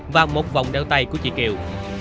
và một vòng đeo tay của chị kiều